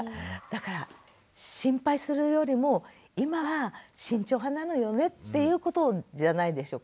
だから心配するよりも今は慎重派なのよねっていうことじゃないでしょうかね。